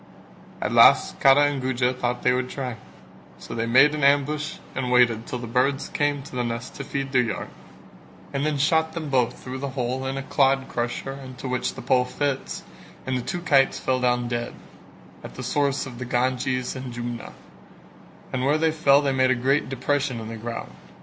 At last Kara and Guja thought that they would try, so they made an ambush and waited till the birds came to the nest to feed their young and then shot them both through the hole in a clod crusher into which the pole fits, and the two kites fell down dead, at the source of the Ganges and Jumna, and where they fell they made a great depression in the ground.